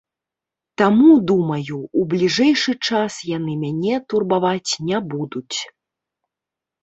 Таму, думаю, у бліжэйшы час яны мяне турбаваць не будуць.